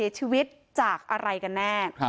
ชีวิตจากอะไรกันแน่